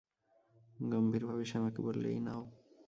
গম্ভীরভাবে শ্যামাকে বললে, এই নাও।